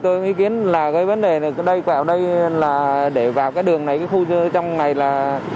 tôi ý kiến là cái vấn đề là đây vào đây là để vào cái đường này cái khu trong này là